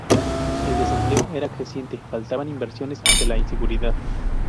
El desempleo era creciente, faltaban inversiones ante la inseguridad.